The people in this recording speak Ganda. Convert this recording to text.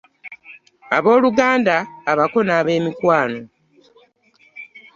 Abooluganda, abako n'abeemikwano.